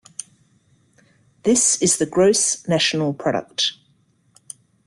This is the Gross National Product.